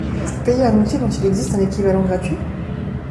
pour payer un outil dont il existe un équivalent gratuit?